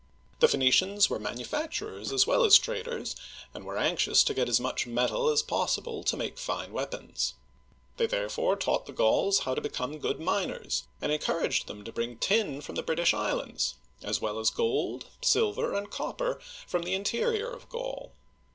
The Phoenicians were manufacturers as well as traders, and were anxious to get as much metal as possible to make fine weapons. They therefore taught the Gauls how to become good miners, and encouraged them to bring tin from the British islands,^ as well as gold, silver, and copper from the interior of Gaul.